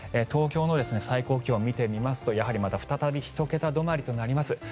東京の最高気温を見てみますとやはり再び１桁止まりとなります。